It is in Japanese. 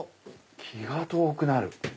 気が遠くなる。